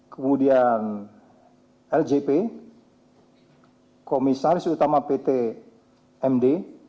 kemudian ljp komisaris utama pt md